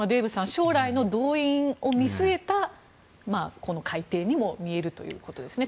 将来の動員を見据えた改訂にも見えるということですね。